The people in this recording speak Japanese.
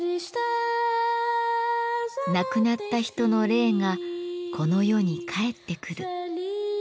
亡くなった人の霊がこの世に帰ってくる。